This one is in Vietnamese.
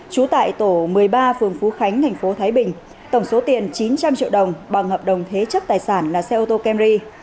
chú tại tổ một mươi ba phường phú khánh tp thái bình tổng số tiền chín trăm linh triệu đồng bằng hợp đồng thế chấp tài sản là xe ô tô kemri